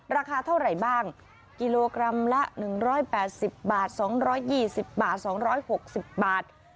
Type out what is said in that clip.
ราคาเท่าไหร่บ้างกิโลกรัมละ๑๘๐บาท๒๒๐บาท๒๖๐บาท